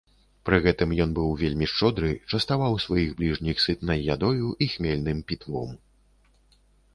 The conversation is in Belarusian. Пры гэтым ён быў вельмі шчодры, частаваў сваіх бліжніх сытнай ядою і хмельным пітвом.